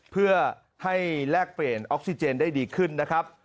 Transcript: เพื่อให้แลกเปลี่ยนออกซิเจนได้ดีขึ้นนะครับ